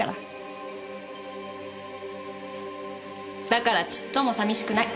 だからちっとも寂しくない。